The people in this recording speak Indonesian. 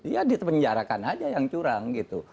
ya dipenjarakan saja yang curang